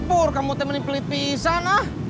pur kamu temenin beli pisang ah